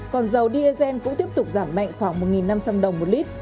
còn dầu diesel cũng tiếp tục giảm mạnh khoảng một năm trăm linh đồng một lít